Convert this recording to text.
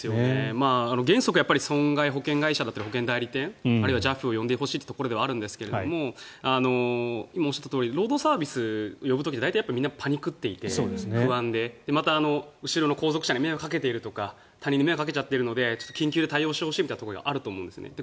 原則、損害保険会社や保険代理店あるいはＪＡＦを呼んでほしいというところではあるんですが今、おっしゃったとおりロードサービスを呼ぶ時大体みんなパニくっていて不安でまた、後ろの後続車に迷惑をかけているとか他人に迷惑をかけているので緊急で対応してほしいってあると思うんですね。